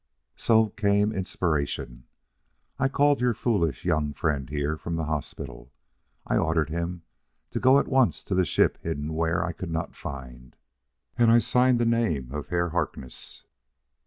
"So came inspiration! I called your foolish young friend here from the hospital. I ordered him to go at once to the ship hidden where I could not find, and I signed the name of Herr Harkness."